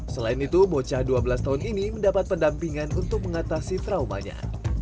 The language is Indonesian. selain itu bocah dua belas tahun ini mendapat pendampingan untuk mengatasi traumanya